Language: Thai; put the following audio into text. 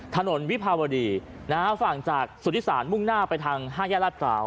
ถนนวิพาบดีฝั่งจากศูนิษฐานมุ่งหน้าไปทางฮาแยรกกราว